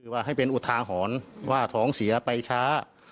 ว่าให้เป็นอุทาหรณ์ว่าท้องเสียไปช้า